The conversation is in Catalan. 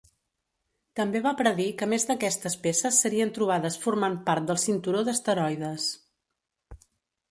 També va predir que més d'aquestes peces serien trobades formant part del cinturó d'asteroides.